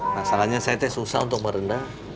masalahnya saya teh susah untuk merendah